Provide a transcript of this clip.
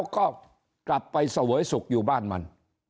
ก็กลับไปเสวยสุขอยู่บ้านมัน